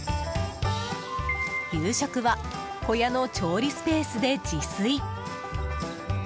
夕食は小屋の調理スペースで自炊。